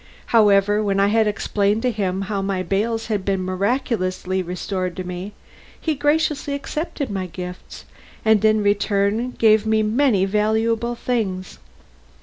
However, when I had explained to him how my bales had been miraculously restored to me, he graciously accepted my gifts, and in return gave me many valuable things.